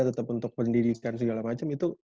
tetap untuk pendidikan segala macam itu